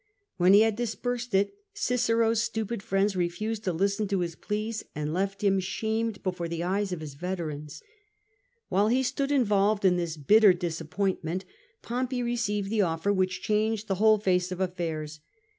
When he had dispersed it, Cicero's stupid friends refused to listen to his pleas and left him shamed before the eyes of his veterans. While he stood involved in this bitter disappointment, ^ Ad AUioum^ i. 13. CRASSUS 190 Pompey received tlie offer which changed the whole face of affairs.